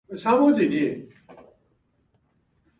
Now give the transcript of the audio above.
アンドル＝エ＝ロワール県の県都はトゥールである